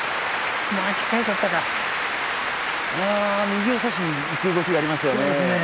右を差しにいく動きがありましたね。